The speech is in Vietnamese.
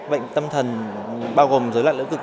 bệnh tâm thần bao gồm giới lận lưỡi cực